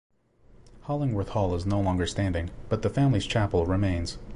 Hollingworth Hall is no longer standing, but the family's chapel remains.